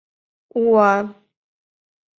Уа!